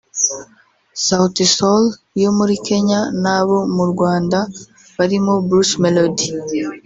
Sauti Sol yo muri Kenya n’abo mu Rwanda barimo Bruce Melodie